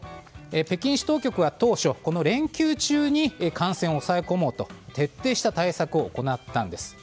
北京市当局は当初、この連休中に感染を抑え込もうと徹底した対策を行ったんです。